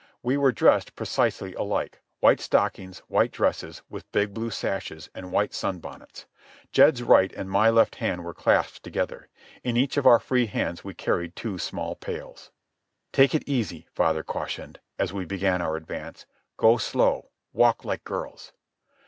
We were dressed precisely alike—white stockings, white dresses, with big blue sashes, and white sunbonnets. Jed's right and my left hand were clasped together. In each of our free hands we carried two small pails. "Take it easy," father cautioned, as we began our advance. "Go slow. Walk like girls."